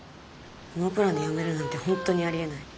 ノープランで辞めるなんて本当にありえない。